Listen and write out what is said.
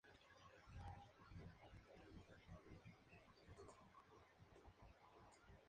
Su nombre en castellano fue: "Luis Gonzaga María Adolfo de Liechtenstein".